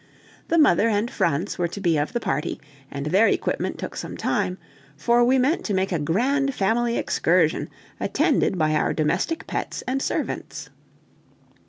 The mother and Franz were to be of the party, and their equipment took some time, for we meant to make a grand family excursion, attended by our domestic pets and servants!